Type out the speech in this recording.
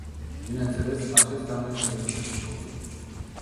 Bineînțeles, acesta nu este decât începutul.